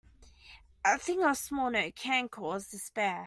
A thing of small note can cause despair.